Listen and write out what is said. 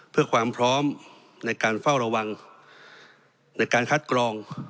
เพื่อความพร้อมในการเฝ้าระวังในการคัดกรอง